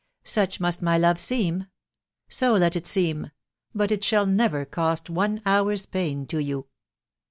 ••. Such must my love seem. ... So let it seem ;.... but it shall never cause one hour's pain to you."